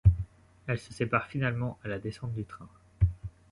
Elles se séparent finalement à la descente du train.